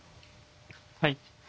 はい。